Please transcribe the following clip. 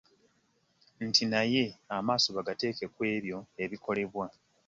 Nti naye amaaso bagateeke ku ebyo ebikolebwa